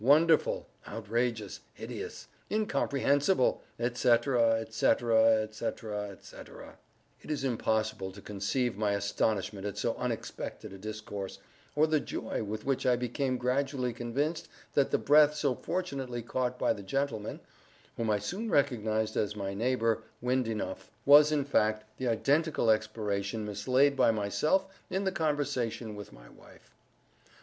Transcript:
—wonderful!—outrageous!—hideous!—incomprehensible!—et cetera—et cetera—et cetera—et cetera—" It is impossible to conceive my astonishment at so unexpected a discourse, or the joy with which I became gradually convinced that the breath so fortunately caught by the gentleman (whom I soon recognized as my neighbor Windenough) was, in fact, the identical expiration mislaid by myself in the conversation with my wife.